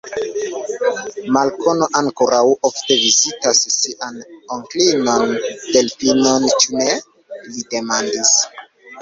Malkomo ankoraŭ ofte vizitas sian onklinon Delfinon; ĉu ne? li demandis.